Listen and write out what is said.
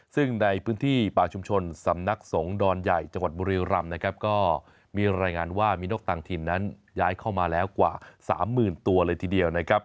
ซึ่งในพื้นที่ป่าชุมชนสำนักสงฆ์ดอนใหญ่จังหวัดบุรีรำนะครับก็มีรายงานว่ามีนกต่างถิ่นนั้นย้ายเข้ามาแล้วกว่าสามหมื่นตัวเลยทีเดียวนะครับ